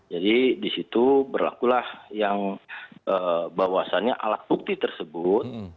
jadi di situ berlaku lah yang bahwasannya alat bukti tersebut